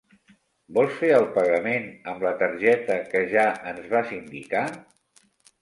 Vols fer el pagament amb la targeta que ja ens vas indicar?